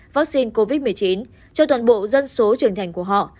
vaccine covid một mươi chín cho toàn bộ dân số trưởng thành của họ